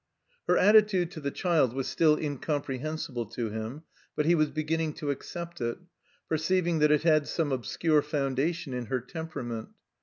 Her attitude to the child was still incomprehensible to him, but he was beginning to accept it, perceiving that it had some obscure fotmdation in her tempera ment.